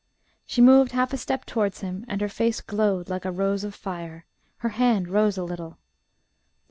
(She moved half a step towards him, and her face glowed like a rose of fire. Her hand rose a little.)